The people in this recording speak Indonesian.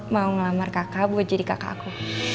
mau ngelamar kakak buat jadi kakak aku